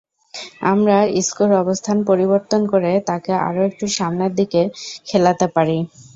আমরা ইসকোর অবস্থান পরিবর্তন করে তাকে আরও একটু সামনের দিকে খেলাতে পারি।